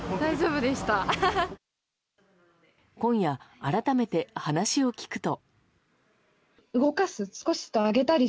今夜、改めて話を聞くと。